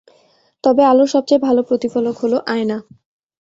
তবে আলোর সবচেয়ে ভালো প্রতিফলক হলো আয়না।